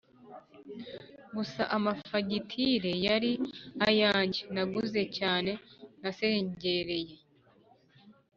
gusa amafagitire yari ayanjye naguze cyane nasengereye